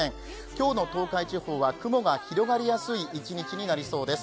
今日の東海地方は雲が広がりやすい一日になりそうです。